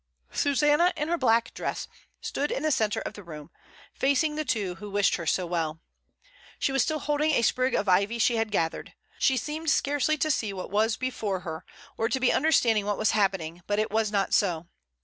Susanna, in her black dress, stood in the centre of the room, facing the two who wished her so well. She was still holding a sprig of ivy she had gathered. She seemed scarcely to see what was before her, or 124 MRS. DYMOND. to be understanding what was happening; but it was not so.